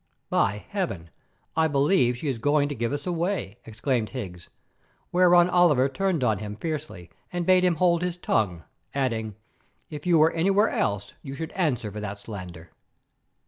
"By heaven! I believe she is going to give us away!" exclaimed Higgs, whereon Oliver turned on him fiercely and bade him hold his tongue, adding: "If you were anywhere else you should answer for that slander!"